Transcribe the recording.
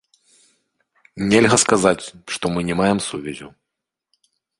Нельга сказаць, што мы не маем сувязяў.